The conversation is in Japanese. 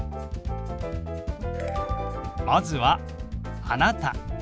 まずは「あなた」。